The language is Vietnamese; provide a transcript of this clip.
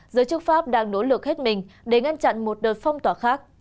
giới chức pháp đang nỗ lực hết mình để ngăn chặn một đợt phong tỏa khác